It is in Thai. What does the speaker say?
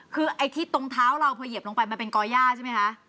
คือไอ้ที่ตรงเท้าเราพอเหยียบลงไปมันเป็นก่อย่าใช่ไหมคะ